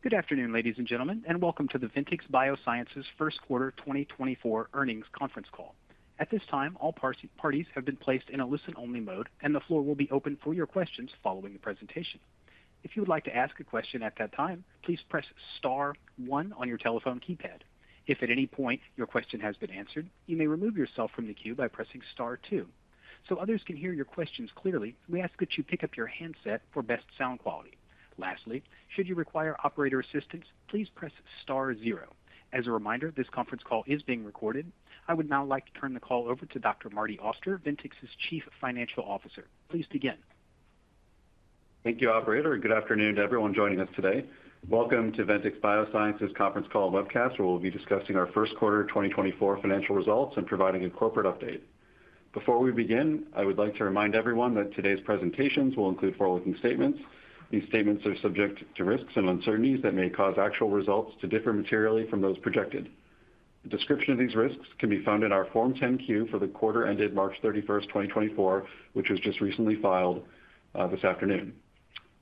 Good afternoon, ladies and gentlemen, and welcome to the Ventyx Biosciences first quarter 2024 earnings conference call. At this time, all parties have been placed in a listen-only mode, and the floor will be open for your questions following the presentation. If you would like to ask a question at that time, please press star one on your telephone keypad. If at any point your question has been answered, you may remove yourself from the queue by pressing star two. So others can hear your questions clearly, we ask that you pick up your handset for best sound quality. Lastly, should you require operator assistance, please press star zero. As a reminder, this conference call is being recorded. I would now like to turn the call over to Dr. Marty Auster, Ventyx's Chief Financial Officer. Please begin. Thank you, Operator. Good afternoon to everyone joining us today. Welcome to Ventyx Biosciences conference call webcast, where we'll be discussing our first quarter 2024 financial results and providing a corporate update. Before we begin, I would like to remind everyone that today's presentations will include forward-looking statements. These statements are subject to risks and uncertainties that may cause actual results to differ materially from those projected. A description of these risks can be found in our Form 10-Q for the quarter ended March 31, 2024, which was just recently filed this afternoon.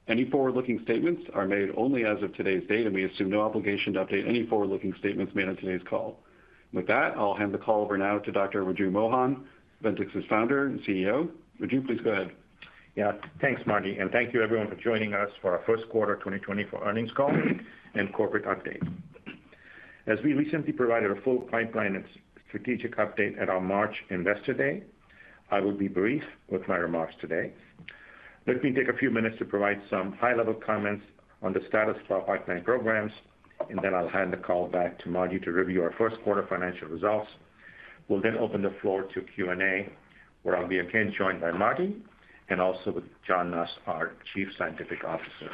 Any forward-looking statements are made only as of today's date, and we assume no obligation to update any forward-looking statements made on today's call. With that, I'll hand the call over now to Dr. Raju Mohan, Ventyx's Founder and CEO. Raju, please go ahead. Yeah, thanks, Marty. And thank you, everyone, for joining us for our First Quarter 2024 Earnings Call and corporate update. As we recently provided a full pipeline and strategic update at our March Investor Day, I will be brief with my remarks today. Let me take a few minutes to provide some high-level comments on the status of our pipeline programs, and then I'll hand the call back to Marty to review our First Quarter financial results. We'll then open the floor to Q&A, where I'll be again joined by Marty and also with John Nuss, our Chief Scientific Officer.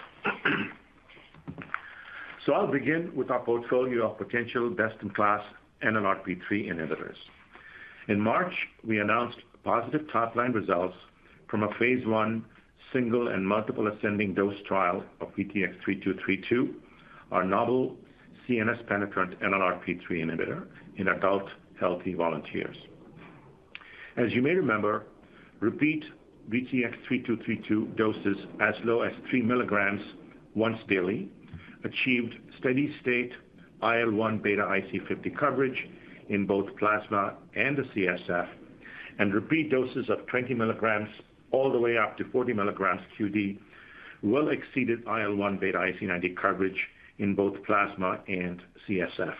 So I'll begin with our portfolio of potential best-in-class NLRP3 inhibitors. In March, we announced positive top-line results from a phase I single and multiple ascending dose trial of VTX3232, our novel CNS-penetrant NLRP3 inhibitor, in adult healthy volunteers. As you may remember, repeat VTX3232 doses as low as 3 milligrams once daily achieved steady-state IL-1 beta IC50 coverage in both plasma and the CSF, and repeat doses of 20 milligrams all the way up to 40 milligrams q.d. well exceeded IL-1 beta IC90 coverage in both plasma and CSF.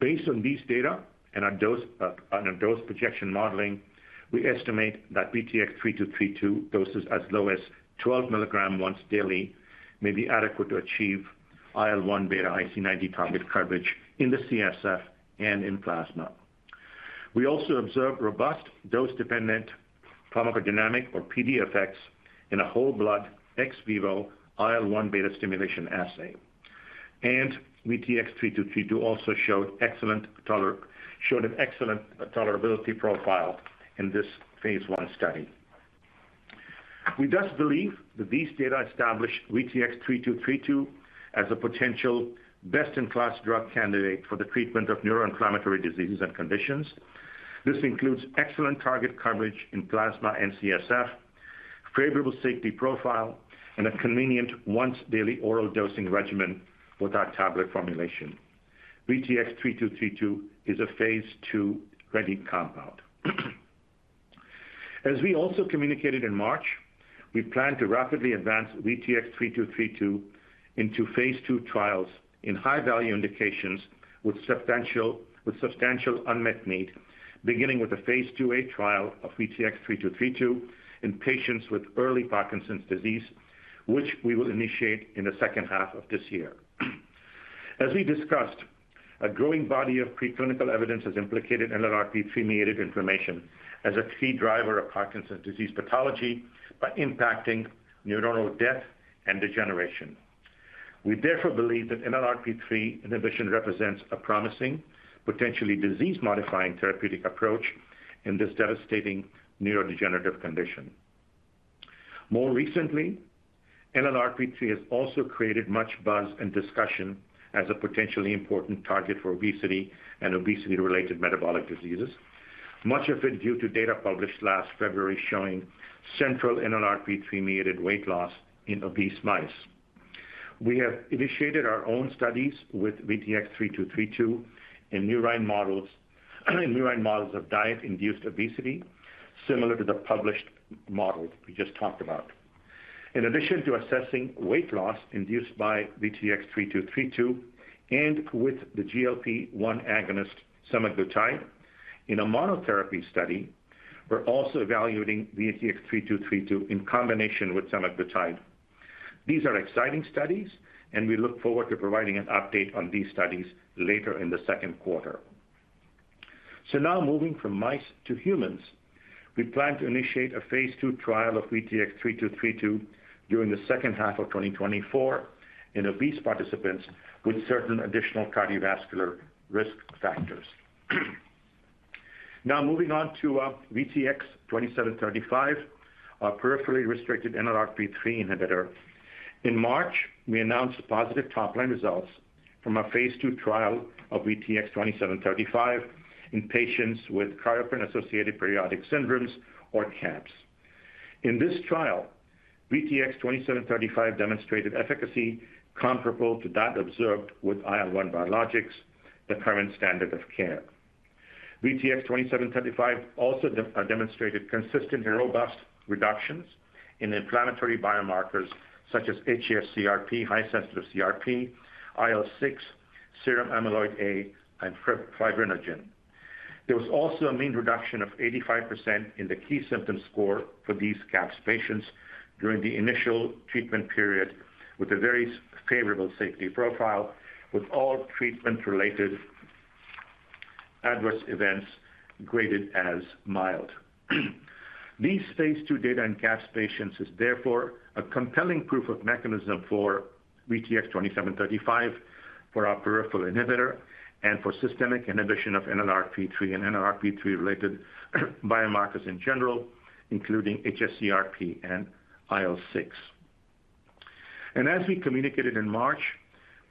Based on these data and our dose projection modeling, we estimate that VTX3232 doses as low as 12 milligrams once daily may be adequate to achieve IL-1 beta IC90 target coverage in the CSF and in plasma. We also observed robust dose-dependent pharmacodynamic or PD effects in a whole blood ex vivo IL-1 beta stimulation assay, and VTX3232 also showed an excellent tolerability profile in this phase I study. We thus believe that these data establish VTX3232 as a potential best-in-class drug candidate for the treatment of neuroinflammatory diseases and conditions. This includes excellent target coverage in plasma and CSF, favorable safety profile, and a convenient once-daily oral dosing regimen with our tablet formulation. VTX3232 is a phase II ready compound. As we also communicated in March, we plan to rapidly advance VTX3232 into phase II trials in high-value indications with substantial unmet need, beginning with a phase II-A trial of VTX3232 in patients with early Parkinson's disease, which we will initiate in the second half of this year. As we discussed, a growing body of preclinical evidence has implicated NLRP3-mediated information as a key driver of Parkinson's disease pathology by impacting neuronal death and degeneration. We therefore believe that NLRP3 inhibition represents a promising, potentially disease-modifying therapeutic approach in this devastating neurodegenerative condition. More recently, NLRP3 has also created much buzz and discussion as a potentially important target for obesity and obesity-related metabolic diseases, much of it due to data published last February showing central NLRP3-mediated weight loss in obese mice. We have initiated our own studies with VTX3232 in murine models of diet-induced obesity, similar to the published model we just talked about. In addition to assessing weight loss induced by VTX3232 and with the GLP-1 agonist semaglutide in a monotherapy study, we're also evaluating VTX3232 in combination with semaglutide. These are exciting studies, and we look forward to providing an update on these studies later in the second quarter. So now moving from mice to humans, we plan to initiate a phase II trial of VTX3232 during the second half of 2024 in obese participants with certain additional cardiovascular risk factors. Now moving on to VTX2735, our peripherally restricted NLRP3 inhibitor. In March, we announced positive top-line results from a phase II trial of VTX2735 in patients with Cryopyrin-associated periodic syndromes or CAPS. In this trial, VTX2735 demonstrated efficacy comparable to that observed with IL-1 biologics, the current standard of care. VTX2735 also demonstrated consistent and robust reductions in inflammatory biomarkers such as hsCRP, high-sensitivity CRP, IL-6, Serum Amyloid A, and fibrinogen. There was also a mean reduction of 85% in the key symptom score for these CAPS patients during the initial treatment period with a very favorable safety profile with all treatment-related adverse events graded as mild. These phase II data in CAPS patients is therefore a compelling proof of mechanism for VTX2735, for our peripheral inhibitor, and for systemic inhibition of NLRP3 and NLRP3-related biomarkers in general, including hsCRP and IL-6. As we communicated in March,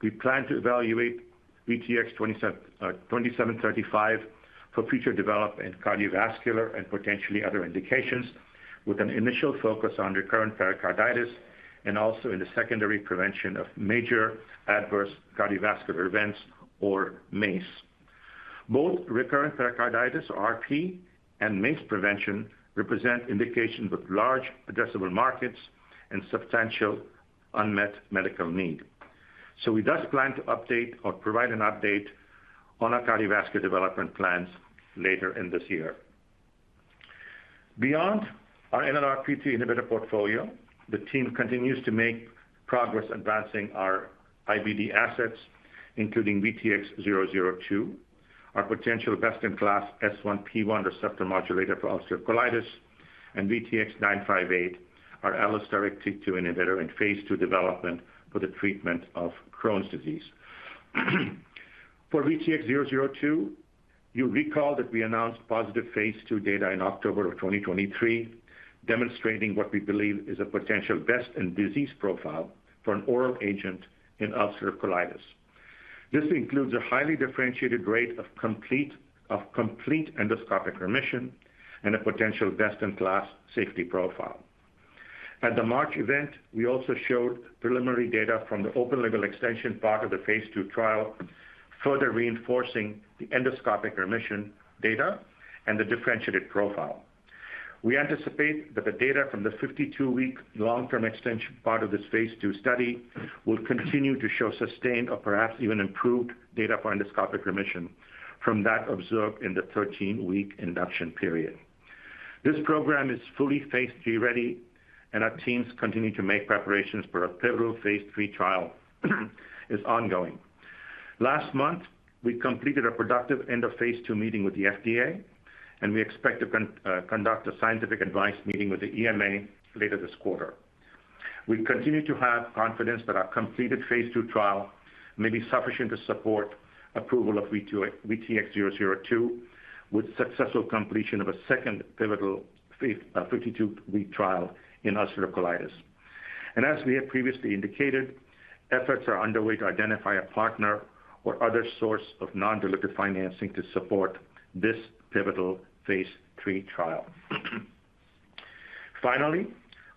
we plan to evaluate VTX2735 for future development in cardiovascular and potentially other indications, with an initial focus on recurrent pericarditis and also in the secondary prevention of major adverse cardiovascular events or MACE. Both recurrent pericarditis, RP, and MACE prevention represent indications with large addressable markets and substantial unmet medical need. We thus plan to update or provide an update on our cardiovascular development plans later in this year. Beyond our NLRP3 inhibitor portfolio, the team continues to make progress advancing our IBD assets, including VTX002, our potential best-in-class S1P1 receptor modulator for ulcerative colitis, and VTX958, our allosteric TYK2 inhibitor in phase II development for the treatment of Crohn's disease. For VTX002, you recall that we announced positive phase II data in October of 2023, demonstrating what we believe is a potential best-in-disease profile for an oral agent in ulcerative colitis. This includes a highly differentiated rate of complete endoscopic remission and a potential best-in-class safety profile. At the March event, we also showed preliminary data from the open-label extension part of the phase II trial, further reinforcing the endoscopic remission data and the differentiated profile. We anticipate that the data from the 52-week long-term extension part of this phase II study will continue to show sustained or perhaps even improved data for endoscopic remission from that observed in the 13-week induction period. This program is fully phase III ready, and our teams continue to make preparations for a pivotal phase III trial that is ongoing. Last month, we completed a productive end-of-phase II meeting with the FDA, and we expect to conduct a scientific advice meeting with the EMA later this quarter. We continue to have confidence that our completed phase II trial may be sufficient to support approval of VTX002 with successful completion of a second pivotal 52-week trial in ulcerative colitis. as we have previously indicated, efforts are underway to identify a partner or other source of non-dilutive financing to support this pivotal phase III trial. Finally,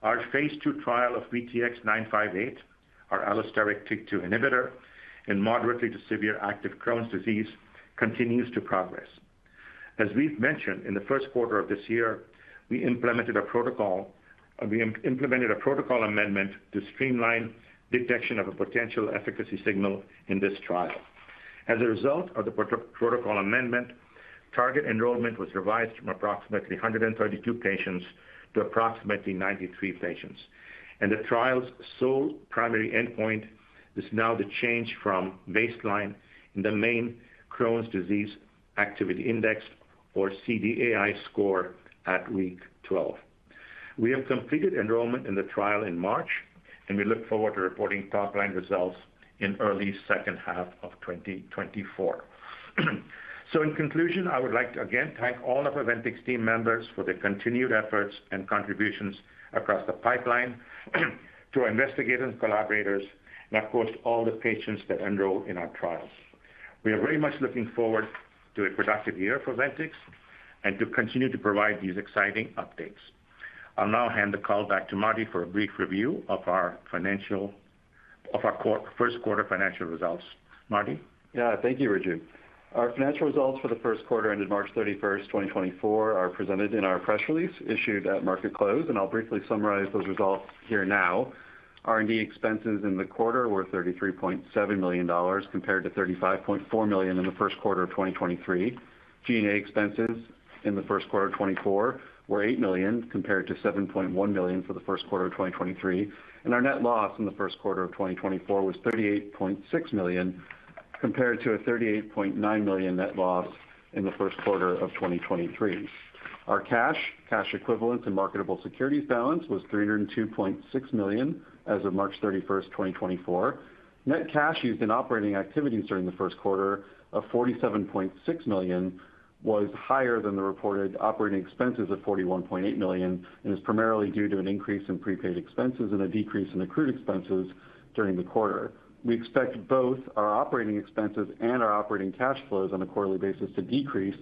our phase II trial of VTX958, our allosteric TYK2 inhibitor in moderately to severe active Crohn's disease, continues to progress. As we've mentioned, in the first quarter of this year, we implemented a protocol amendment to streamline detection of a potential efficacy signal in this trial. As a result of the protocol amendment, target enrollment was revised from approximately 132 patients to approximately 93 patients, and the trial's sole primary endpoint is now the change from baseline in the main Crohn's disease activity index, or CDAI, score at week 12. We have completed enrollment in the trial in March, and we look forward to reporting top-line results in early second half of 2024. In conclusion, I would like to again thank all of our Ventyx team members for their continued efforts and contributions across the pipeline, to our investigators and collaborators, and of course, all the patients that enroll in our trials. We are very much looking forward to a productive year for Ventyx and to continue to provide these exciting updates. I'll now hand the call back to Marty for a brief review of our first quarter financial results. Marty? Yeah, thank you, Raju. Our financial results for the first quarter ended March 31, 2024. They are presented in our press release issued at market close, and I'll briefly summarize those results here now. R&D expenses in the quarter were $33.7 million compared to $35.4 million in the first quarter of 2023. G&A expenses in the first quarter of 2024 were $8 million compared to $7.1 million for the first quarter of 2023, and our net loss in the first quarter of 2024 was $38.6 million compared to a $38.9 million net loss in the first quarter of 2023. Our cash equivalent and marketable securities balance was $302.6 million as of March 31, 2024. Net cash used in operating activities during the first quarter of $47.6 million was higher than the reported operating expenses of $41.8 million and is primarily due to an increase in prepaid expenses and a decrease in accrued expenses during the quarter. We expect both our operating expenses and our operating cash flows on a quarterly basis to decrease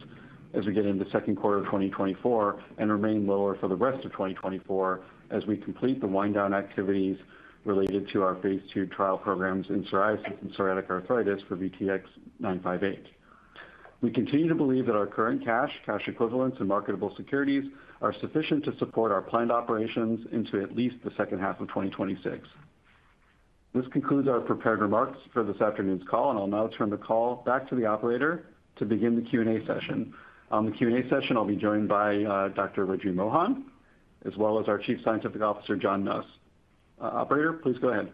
as we get into second quarter of 2024 and remain lower for the rest of 2024 as we complete the wind-down activities related to our phase II trial programs in psoriasis and psoriatic arthritis for VTX958. We continue to believe that our current cash equivalents and marketable securities are sufficient to support our planned operations into at least the second half of 2026. This concludes our prepared remarks for this afternoon's call, and I'll now turn the call back to the operator to begin the Q&A session. On the Q&A session, I'll be joined by Dr. Raju Mohan, as well as our Chief Scientific Officer, John Nuss. Operator, please go ahead.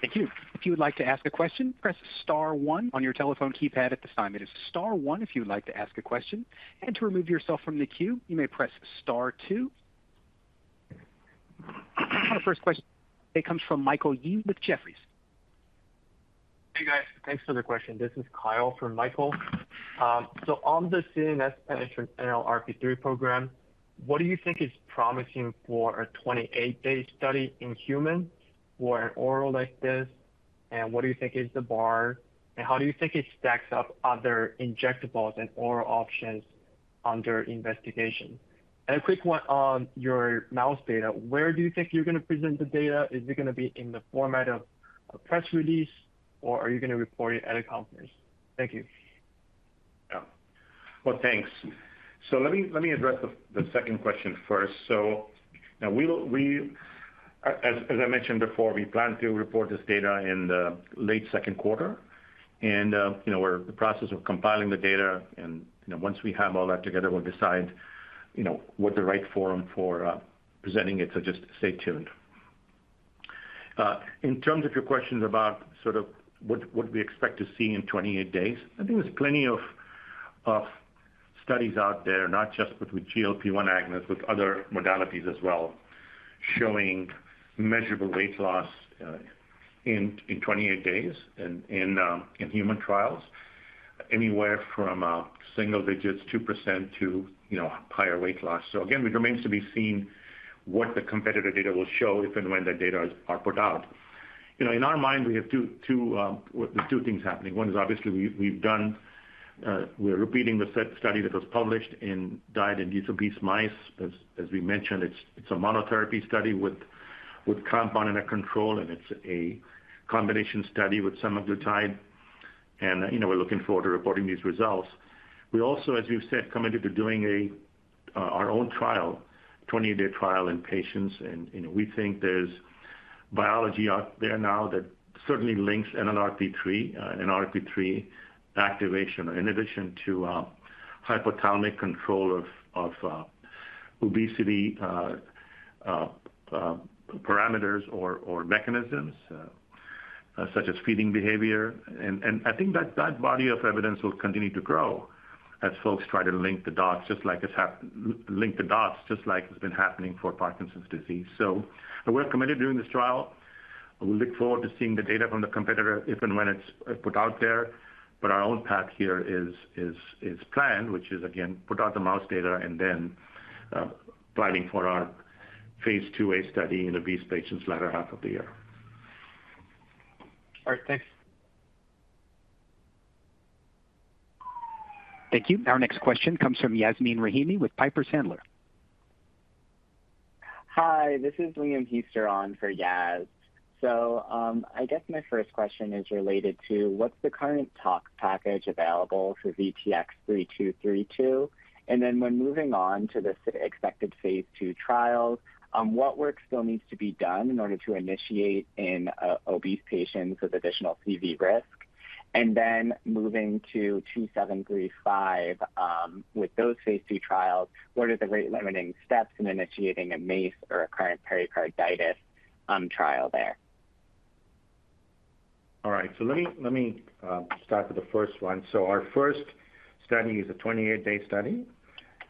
Thank you. If you would like to ask a question, press star one on your telephone keypad at this time. It is star one if you would like to ask a question. To remove yourself from the queue, you may press star two. Our first question today comes from Michael Yee with Jefferies. Hey guys, thanks for the question. This is Kyle from Michael. So on the CNS and NLRP3 program, what do you think is promising for a 28-day study in humans for an oral like this, and what do you think is the bar, and how do you think it stacks up other injectables and oral options under investigation? And a quick one on your mouse data, where do you think you're going to present the data? Is it going to be in the format of a press release, or are you going to report it at a conference? Thank you. Yeah. Well, thanks. So let me address the second question first. So now, as I mentioned before, we plan to report this data in the late second quarter, and we're in the process of compiling the data. And once we have all that together, we'll decide what's the right forum for presenting it, so just stay tuned. In terms of your questions about sort of what we expect to see in 28 days, I think there's plenty of studies out there, not just with GLP-1 agonists, but other modalities as well, showing measurable weight loss in 28 days in human trials, anywhere from single digits, 2%, to higher weight loss. So again, it remains to be seen what the competitor data will show, if and when that data are put out. In our mind, we have two things happening. One is obviously we've done we're repeating the study that was published in diet-induced obese mice. As we mentioned, it's a monotherapy study with compound in a control, and it's a combination study with semaglutide. And we're looking forward to reporting these results. We also, as we've said, committed to doing our own trial, a 28-day trial in patients. And we think there's biology out there now that certainly links NLRP3 activation in addition to hypothalamic control of obesity parameters or mechanisms, such as feeding behavior. And I think that body of evidence will continue to grow as folks try to link the dots, just like it's been happening for Parkinson's disease. So we're committed to doing this trial. We look forward to seeing the data from the competitor, if and when it's put out there. Our own path here is planned, which is, again, put out the mouse data and then planning for our phase II-A study in obese patients later half of the year. All right. Thanks. Thank you. Our next question comes from Yasmeen Rahimi with Piper Sandler. Hi, this is Liam Heaster on for Yas. So I guess my first question is related to what's the current talk package available for VTX3232? And then when moving on to the expected phase II trials, what work still needs to be done in order to initiate in obese patients with additional CV risk? And then moving to 2735, with those phase II trials, what are the rate-limiting steps in initiating a MACE or a recurrent pericarditis trial there? All right. So let me start with the first one. So our first study is a 28-day study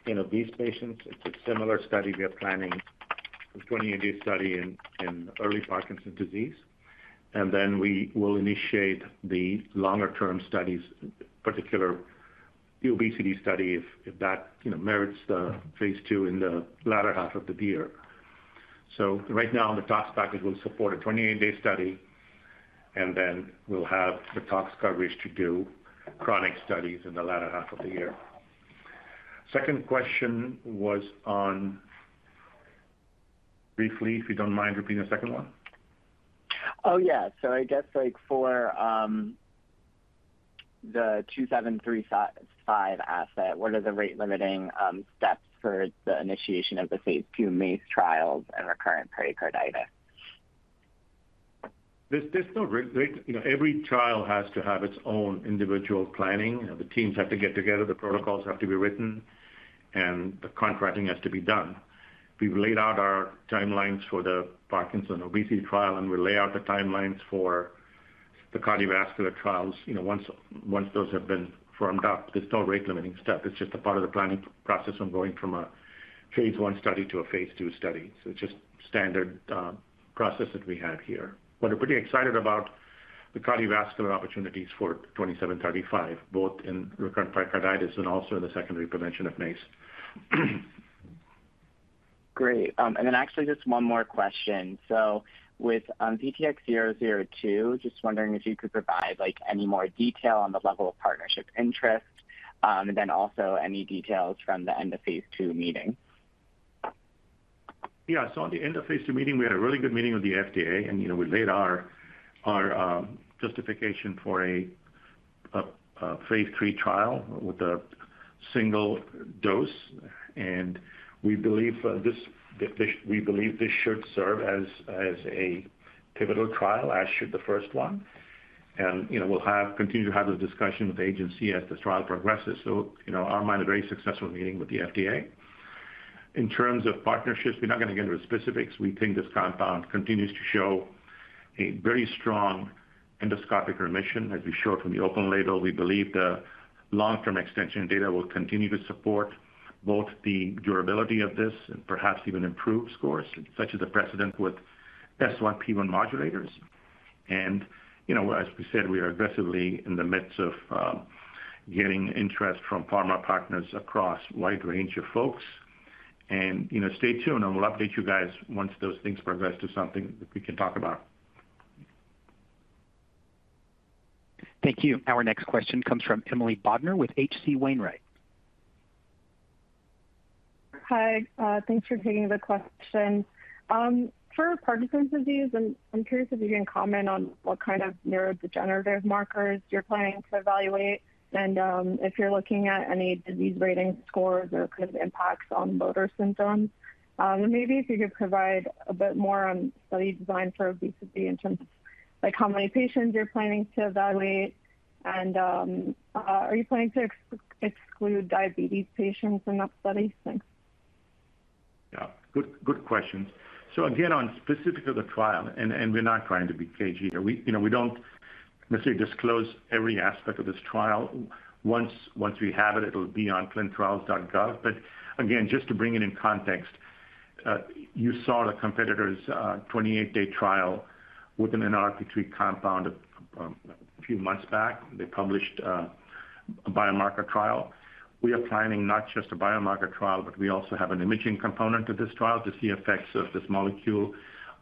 in obese patients. It's a similar study we are planning, a 28-day study in early Parkinson's disease. And then we will initiate the longer-term studies, particularly the obesity study, if that merits the phase II in the latter half of the year. So right now, the tox package will support a 28-day study, and then we'll have the tox coverage to do chronic studies in the latter half of the year. Second question was on briefly, if you don't mind repeating the second one. Oh, yeah. So I guess for the VTX2735 asset, what are the rate-limiting steps for the initiation of the phase II MACE trials and recurrent pericarditis? There's no rate. Every trial has to have its own individual planning. The teams have to get together. The protocols have to be written, and the contracting has to be done. We've laid out our timelines for the Parkinson's obesity trial, and we'll lay out the timelines for the cardiovascular trials once those have been firmed up. There's no rate-limiting step. It's just a part of the planning process from going from a phase I study to a phase II study. So it's just a standard process that we have here. But we're pretty excited about the cardiovascular opportunities for 2735, both in recurrent pericarditis and also in the secondary prevention of MACE. Great. And then actually, just one more question. So with VTX002, just wondering if you could provide any more detail on the level of partnership interest, and then also any details from the end-of-phase II meeting. Yeah. So on the end-of-phase II meeting, we had a really good meeting with the FDA, and we laid our justification for a phase III trial with a single dose. We believe this should serve as a pivotal trial, as should the first one. We'll continue to have the discussion with the agency as the trial progresses. So, in our mind, a very successful meeting with the FDA. In terms of partnerships, we're not going to get into the specifics. We think this compound continues to show a very strong endoscopic remission, as we showed from the open-label. We believe the long-term extension data will continue to support both the durability of this and perhaps even improve scores, such as the precedent with S1P1 modulators. As we said, we are aggressively in the midst of getting interest from pharma partners across a wide range of folks. Stay tuned, and we'll update you guys once those things progress to something that we can talk about. Thank you. Our next question comes from Emily Bodnar with H.C. Wainwright. Hi. Thanks for taking the question. For Parkinson's disease, I'm curious if you can comment on what kind of neurodegenerative markers you're planning to evaluate, and if you're looking at any disease rating scores or kind of impacts on motor symptoms. And maybe if you could provide a bit more on study design for obesity in terms of how many patients you're planning to evaluate, and are you planning to exclude diabetes patients in that study? Thanks. Yeah. Good questions. So again, on specifics of the trial, and we're not trying to be cagey here. We don't necessarily disclose every aspect of this trial. Once we have it, it'll be on clinicaltrials.gov. But again, just to bring it in context, you saw the competitor's 28-day trial with an NLRP3 compound a few months back. They published a biomarker trial. We are planning not just a biomarker trial, but we also have an imaging component to this trial to see effects of this molecule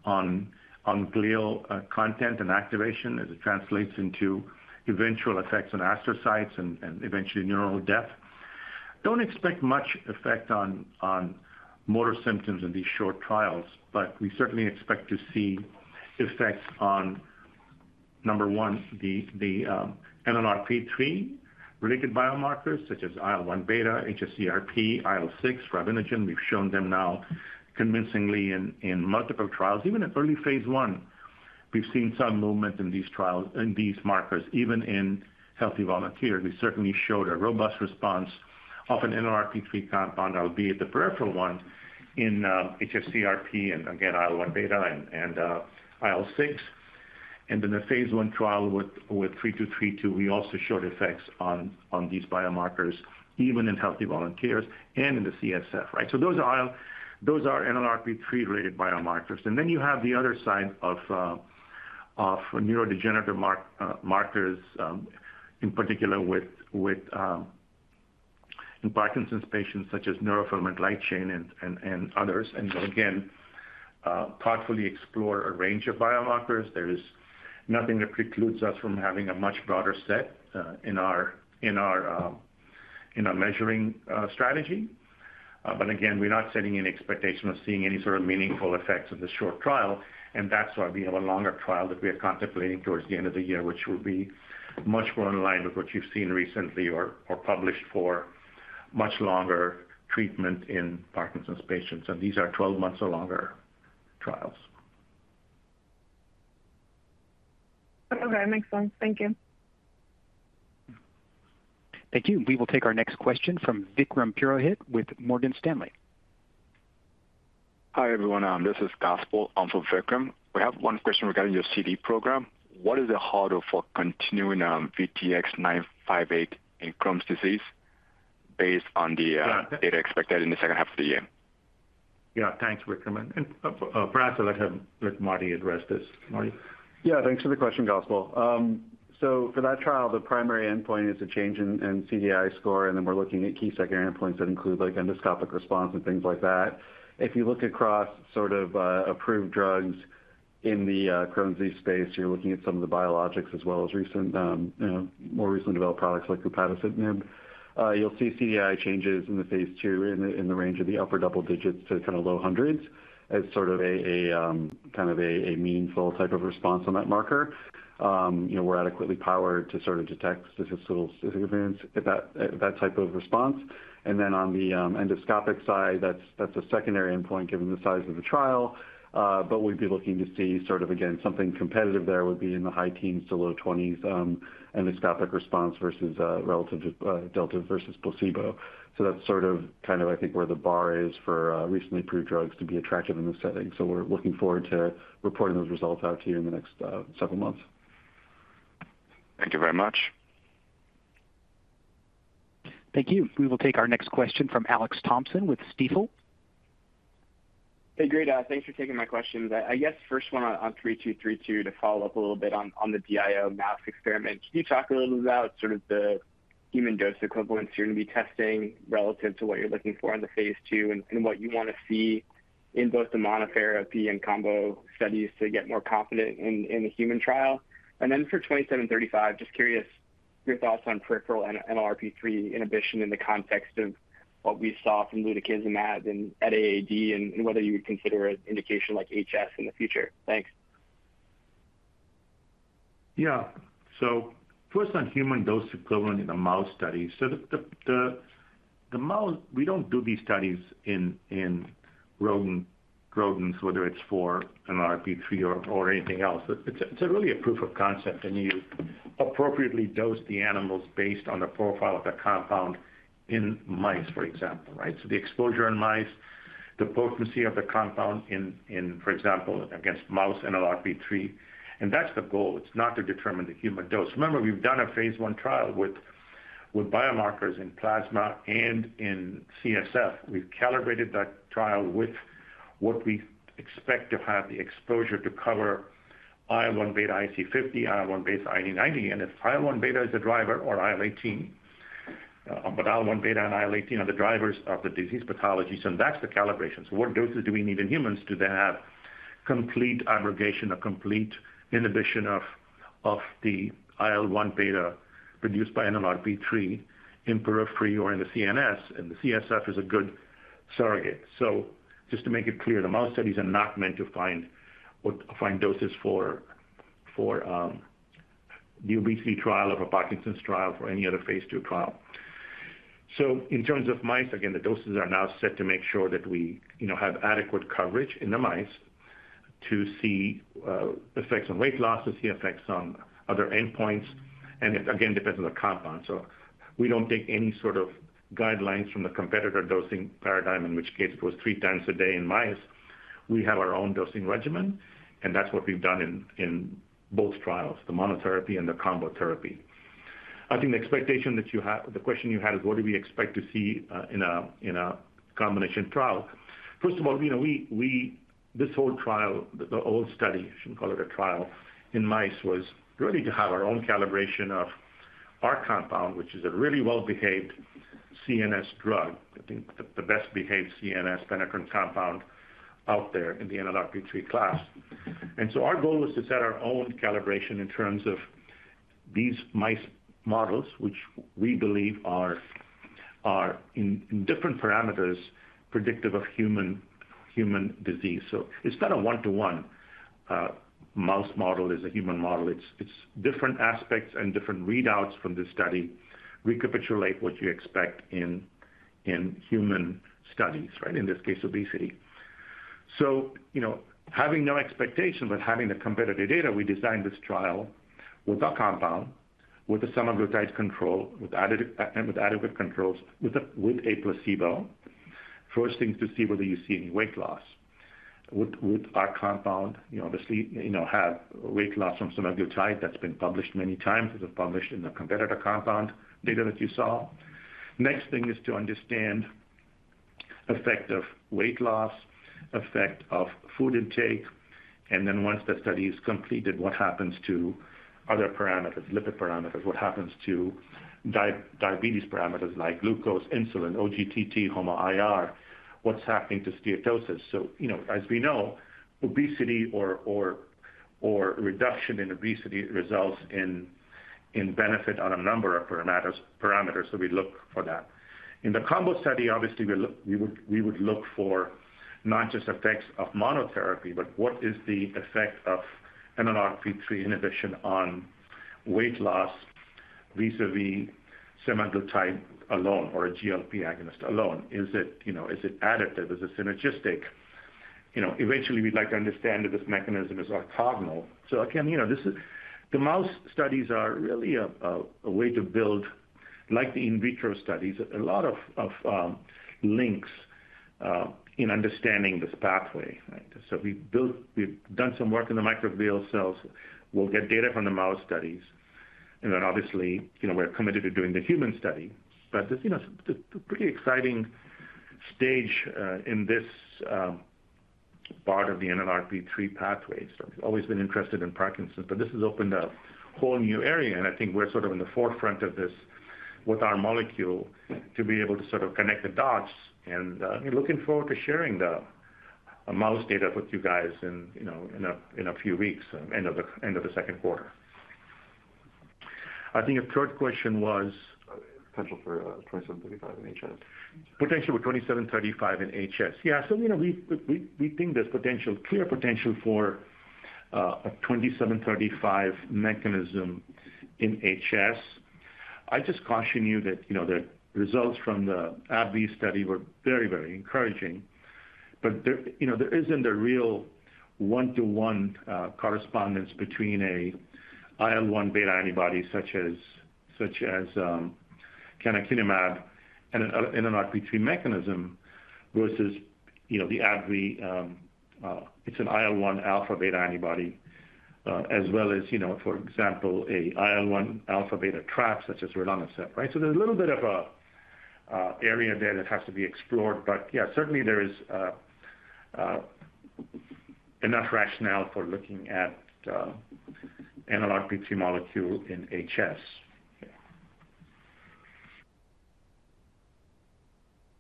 on glial content and activation, as it translates into eventual effects on astrocytes and eventually neural death. Don't expect much effect on motor symptoms in these short trials, but we certainly expect to see effects on, number one, the NLRP3-related biomarkers, such as IL-1 beta, hsCRP, IL-6, fibrinogen. We've shown them now convincingly in multiple trials. Even in early phase I, we've seen some movement in these markers, even in healthy volunteers. We certainly showed a robust response of an NLRP3 compound, albeit the peripheral one, in hsCRP and, again, IL-1 beta and IL-6. And in the phase I trial with 3232, we also showed effects on these biomarkers, even in healthy volunteers and in the CSF, right? So those are NLRP3-related biomarkers. And then you have the other side of neurodegenerative markers, in particular in Parkinson's patients, such as neurofilament light chain and others. And again, thoughtfully explore a range of biomarkers. There is nothing that precludes us from having a much broader set in our measuring strategy. But again, we're not setting any expectation of seeing any sort of meaningful effects in this short trial. That's why we have a longer trial that we are contemplating towards the end of the year, which will be much more in line with what you've seen recently or published for much longer treatment in Parkinson's patients. These are 12 months or longer trials. Okay. That makes sense. Thank you. Thank you. We will take our next question from Vikram Purohit with Morgan Stanley. Hi, everyone. This is Gospel from Vikram. We have one question regarding your CD program. What is the hurdle for continuing VTX958 in Crohn's disease based on the data expected in the second half of the year? Yeah. Thanks, Vikram. Perhaps I'll let Marty address this. Marty? Yeah. Thanks for the question, Gospel. So for that trial, the primary endpoint is a change in CDAI score, and then we're looking at key secondary endpoints that include endoscopic response and things like that. If you look across sort of approved drugs in the Crohn's disease space, you're looking at some of the biologics as well as more recently developed products like deucravacitinib. You'll see CDAI changes in the phase II in the range of the upper double digits to kind of low hundreds as sort of kind of a meaningful type of response on that marker. We're adequately powered to sort of detect specific events at that type of response. And then on the endoscopic side, that's a secondary endpoint given the size of the trial. But we'd be looking to see sort of, again, something competitive there would be in the high teens to low 20s endoscopic response relative to delta versus placebo. So that's sort of kind of, I think, where the bar is for recently approved drugs to be attractive in this setting. So we're looking forward to reporting those results out to you in the next several months. Thank you very much. Thank you. We will take our next question from Alex Thompson with Stifel. Hey, great. Thanks for taking my questions. I guess first one on 3232 to follow up a little bit on the DIO mouse experiment. Can you talk a little bit about sort of the human dose equivalents you're going to be testing relative to what you're looking for in the phase II and what you want to see in both the monotherapy and combo studies to get more confident in the human trial? And then for 2735, just curious your thoughts on peripheral NLRP3 inhibition in the context of what we saw from lutikizumab and at AAD and whether you would consider an indication like HS in the future. Thanks. Yeah. So first, on human dose equivalent in the mouse study. So we don't do these studies in rodents, whether it's for NLRP3 or anything else. It's really a proof of concept, and you appropriately dose the animals based on the profile of the compound in mice, for example, right? So the exposure in mice, the potency of the compound in, for example, against mouse NLRP3. And that's the goal. It's not to determine the human dose. Remember, we've done a phase I trial with biomarkers in plasma and in CSF. We've calibrated that trial with what we expect to have the exposure to cover IL-1 beta IC50, IL-1 beta IC90. And if IL-1 beta is the driver or IL-18, but IL-1 beta and IL-18 are the drivers of the disease pathologies, then that's the calibration. So what doses do we need in humans to have complete aggregation or complete inhibition of the IL-1 beta produced by NLRP3 in periphery or in the CNS? And the CSF is a good surrogate. So just to make it clear, the mouse studies are not meant to find doses for the obesity trial or for Parkinson's trial or any other phase II trial. So in terms of mice, again, the doses are now set to make sure that we have adequate coverage in the mice to see effects on weight loss, to see effects on other endpoints. And again, it depends on the compound. So we don't take any sort of guidelines from the competitor dosing paradigm, in which case it was three times a day in mice. We have our own dosing regimen, and that's what we've done in both trials, the monotherapy and the combo therapy. I think the expectation that you have the question you had is, what do we expect to see in a combination trial? First of all, this whole trial, the old study - I shouldn't call it a trial - in mice was really to have our own calibration of our compound, which is a really well-behaved CNS drug, I think the best-behaved CNS-penetrant compound out there in the NLRP3 class. And so our goal was to set our own calibration in terms of these mice models, which we believe are in different parameters predictive of human disease. So it's not a one-to-one mouse model as a human model. It's different aspects and different readouts from this study recapitulate what you expect in human studies, right, in this case, obesity. So having no expectation but having the competitor data, we designed this trial with our compound, with a semaglutide control, with adequate controls, with a placebo. First thing is to see whether you see any weight loss with our compound. Obviously, have weight loss from semaglutide. That's been published many times. It was published in the competitor compound data that you saw. Next thing is to understand effect of weight loss, effect of food intake. And then once the study is completed, what happens to other parameters, lipid parameters, what happens to diabetes parameters like glucose, insulin, OGTT, HOMA-IR, what's happening to steatosis? So as we know, obesity or reduction in obesity results in benefit on a number of parameters. So we look for that. In the combo study, obviously, we would look for not just effects of monotherapy, but what is the effect of NLRP3 inhibition on weight loss vis-à-vis semaglutide alone or a GLP agonist alone? Is it additive? Is it synergistic? Eventually, we'd like to understand that this mechanism is orthogonal. So again, the mouse studies are really a way to build, like the in vitro studies, a lot of links in understanding this pathway, right? So we've done some work in the microglial cells. We'll get data from the mouse studies. And then obviously, we're committed to doing the human study. But it's a pretty exciting stage in this part of the NLRP3 pathway. So I've always been interested in Parkinson's, but this has opened a whole new area. I think we're sort of in the forefront of this with our molecule to be able to sort of connect the dots. And I'm looking forward to sharing the mouse data with you guys in a few weeks, end of the second quarter. I think your third question was. Potential for 2735 in HS. Potential for 2735 in HS. Yeah. So we think there's clear potential for a 2735 mechanism in HS. I just caution you that the results from the AbbVie study were very, very encouraging. But there isn't a real one-to-one correspondence between an IL-1 beta antibody such as canakinumab and an NLRP3 mechanism versus the AbbVie. It's an IL-1 alpha beta antibody as well as, for example, an IL-1 alpha beta trap such as rilonacept, right? So there's a little bit of an area there that has to be explored. But yeah, certainly, there is enough rationale for looking at NLRP3 molecule in HS.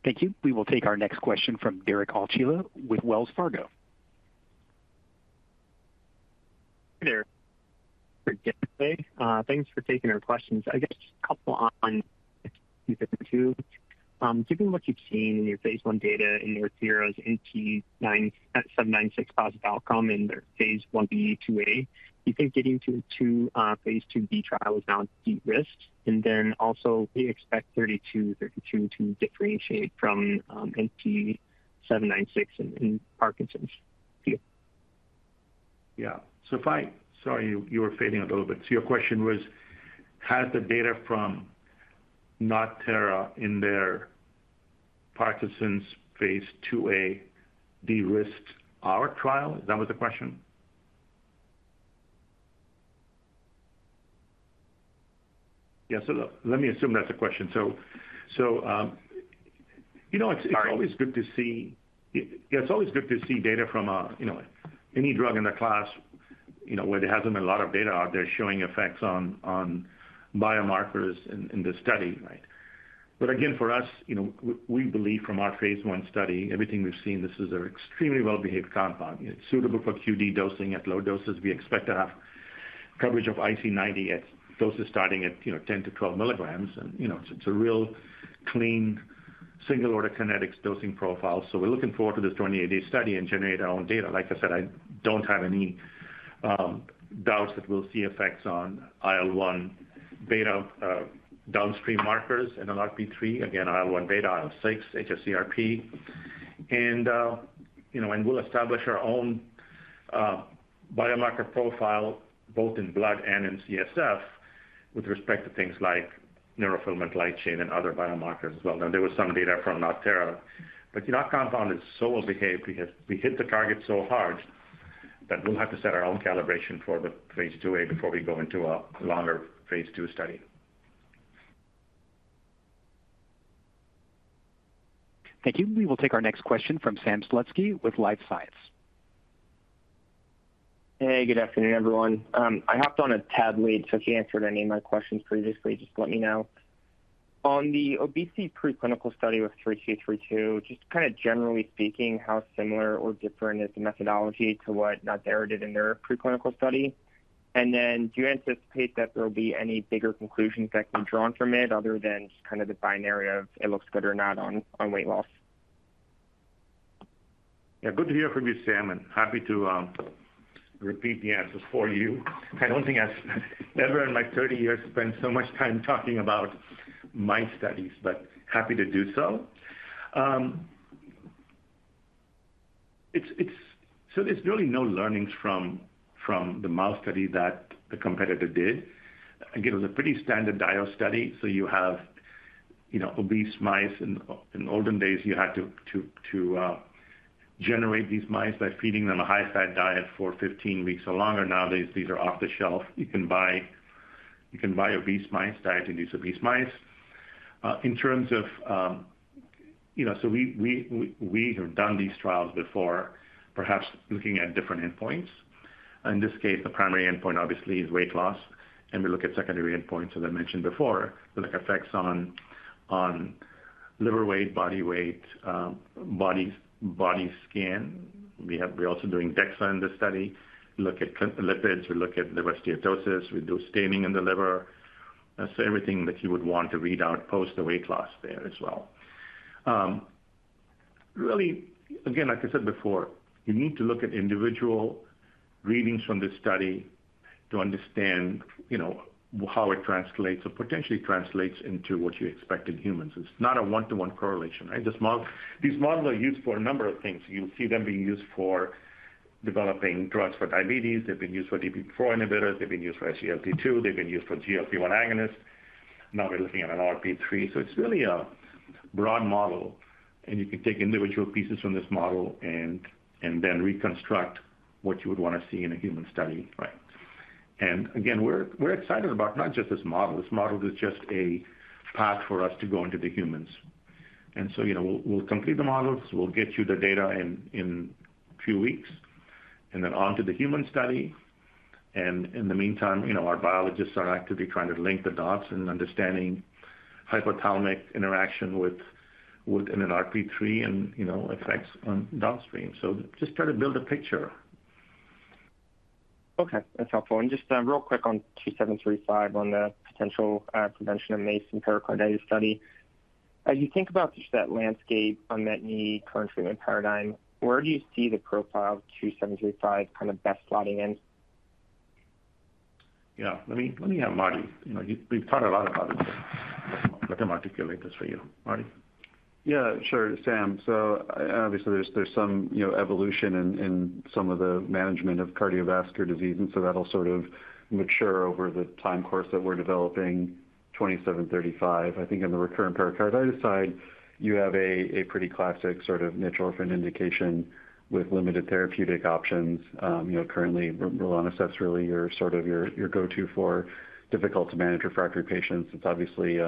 Thank you. We will take our next question from Derek Archila with Wells Fargo. Hey, Derek. Thanks for taking our questions. I guess just a couple on 2735. Given what you've seen in your phase I data in NodThera's NT-0796 positive outcome in their phase I-B, II-A, do you think getting to a phase IIb trial is now at deep risk? And then also, do you expect 3232 to differentiate from NT-0796 in Parkinson's? Yeah. Sorry, you were fading a little bit. So your question was, has the data from NodThera in their Parkinson's phase II-A de-risked our trial? Is that what the question? Yeah. So let me assume that's a question. So it's always good to see yeah, it's always good to see data from any drug in the class where there hasn't been a lot of data out there showing effects on biomarkers in the study, right? But again, for us, we believe from our phase I study, everything we've seen, this is an extremely well-behaved compound. It's suitable for QD dosing at low doses. We expect to have coverage of IC90 at doses starting at 10 to 12 milligrams. And it's a real clean single-order kinetics dosing profile. So we're looking forward to this 28-day study and generate our own data. Like I said, I don't have any doubts that we'll see effects on IL-1 beta downstream markers, NLRP3, again, IL-1 beta, IL-6, hsCRP. We'll establish our own biomarker profile both in blood and in CSF with respect to things like neurofilament light chain and other biomarkers as well. Now, there was some data from NodThera. But our compound is so well-behaved, we hit the target so hard that we'll have to set our own calibration for the phase IIa before we go into a longer phase II study. Thank you. We will take our next question from Sam Slutsky with LifeSci. Hey, good afternoon, everyone. I hopped on the call late, so if you answered any of my questions previously, just let me know. On the obesity preclinical study with 3232, just kind of generally speaking, how similar or different is the methodology to what NodThera did in their preclinical study? And then do you anticipate that there'll be any bigger conclusions that can be drawn from it other than just kind of the binary of it looks good or not on weight loss? Yeah. Good to hear from you, Sam, and happy to repeat the answers for you. I don't think I've ever in my 30 years spent so much time talking about mice studies, but happy to do so. So there's really no learnings from the mouse study that the competitor did. Again, it was a pretty standard DIO study. So you have obese mice. In olden days, you had to generate these mice by feeding them a high-fat diet for 15 weeks or longer. Nowadays, these are off the shelf. You can buy obese mice, diet-induced obese mice. In terms of so we have done these trials before, perhaps looking at different endpoints. In this case, the primary endpoint, obviously, is weight loss. And we look at secondary endpoints that I mentioned before, like effects on liver weight, body weight, body scan. We're also doing DEXA in this study. We look at lipids. We look at liver steatosis. We do staining in the liver. So everything that you would want to read out post the weight loss there as well. Really, again, like I said before, you need to look at individual readings from this study to understand how it translates or potentially translates into what you expect in humans. It's not a one-to-one correlation, right? These models are used for a number of things. You'll see them being used for developing drugs for diabetes. They've been used for DPP-4 inhibitors. They've been used for SGLT2. They've been used for GLP-1 agonist. Now, we're looking at NLRP3. So it's really a broad model. And you can take individual pieces from this model and then reconstruct what you would want to see in a human study, right? And again, we're excited about not just this model. This model is just a path for us to go into the humans. So we'll complete the models. We'll get you the data in a few weeks and then onto the human study. In the meantime, our biologists are actively trying to link the dots and understanding hypothalamic interaction with NLRP3 and effects on downstream. So just try to build a picture. Okay. That's helpful. And just real quick on 2735, on the potential prevention of MACE and pericarditis study. As you think about that landscape, unmet need, current treatment paradigm, where do you see the profile of 2735 kind of best slotting in? Yeah. Let me have Marty. We've thought a lot about it, but let him articulate this for you. Marty? Yeah. Sure, Sam. So obviously, there's some evolution in some of the management of cardiovascular disease. And so that'll sort of mature over the time course that we're developing 2735. I think on the recurrent pericarditis side, you have a pretty classic sort of niche orphan indication with limited therapeutic options. Currently, rilonacept's really sort of your go-to for difficult-to-manage refractory patients. It's obviously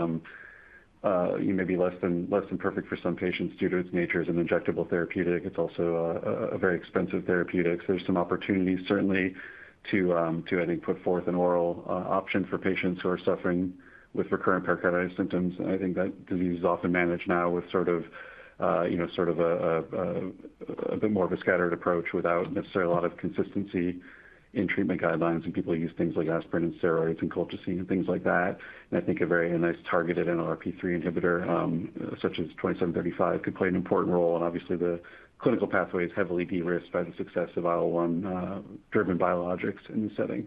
maybe less than perfect for some patients due to its nature. It's an injectable therapeutic. It's also a very expensive therapeutic. So there's some opportunities, certainly, to, I think, put forth an oral option for patients who are suffering with recurrent pericarditis symptoms. And I think that disease is often managed now with sort of a bit more of a scattered approach without necessarily a lot of consistency in treatment guidelines. And people use things like aspirin and steroids and colchicine and things like that. I think a very nice targeted NLRP3 inhibitor such as 2735 could play an important role. Obviously, the clinical pathway is heavily de-risked by the success of IL-1-driven biologics in this setting.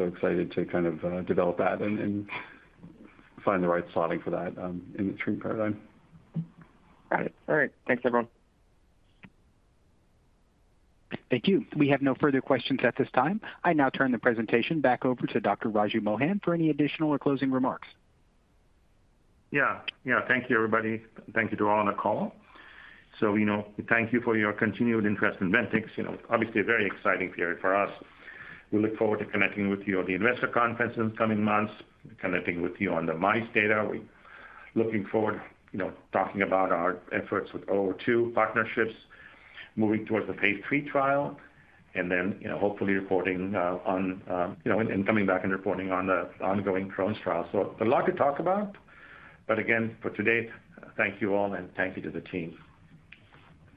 Excited to kind of develop that and find the right slotting for that in the treatment paradigm. Got it. All right. Thanks, everyone. Thank you. We have no further questions at this time. I now turn the presentation back over to Dr. Raju Mohan for any additional or closing remarks. Yeah. Yeah. Thank you, everybody. Thank you to all on the call. So thank you for your continued interest in Ventyx. Obviously, a very exciting period for us. We look forward to connecting with you at the investor conference in the coming months, connecting with you on the mice data. We're looking forward to talking about our efforts with VTX002 partnerships, moving towards the phase III trial, and then hopefully reporting on and coming back and reporting on the ongoing Crohn's trial. So a lot to talk about. But again, for today, thank you all, and thank you to the team.